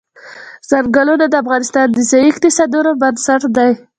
چنګلونه د افغانستان د ځایي اقتصادونو بنسټ دی.